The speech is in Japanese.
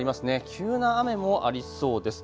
急な雨もありそうです。